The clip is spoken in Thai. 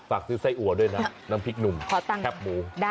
ซื้อไส้อัวด้วยนะน้ำพริกหนุ่มแคบหมู